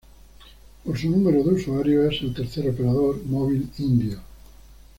Por su número de usuarios, es el tercer operador móvil indio.